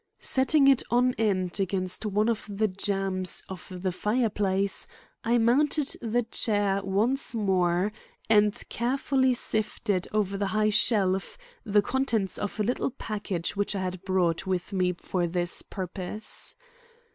Setting it on end against one of the jambs of the fireplace, I mounted the chair once more and carefully sifted over the high shelf the contents of a little package which I had brought with me for this purpose.